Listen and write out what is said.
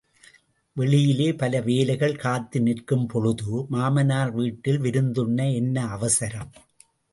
வெளியிலே பல வேலைகள் காத்து நிற்கும் பொழுது, மாமனார் வீட்டில் விருந்துண்ன என்ன அவசரம்?